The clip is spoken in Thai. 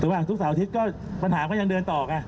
ถูกหวังทุกเสาร์อาทิตย์ปัญหาก็ยังเดินต่อ